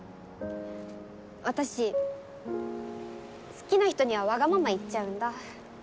私好きな人にはわがまま言っちゃうんだ。